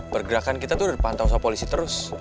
pergerakan kita tuh udah dipantau sama polisi terus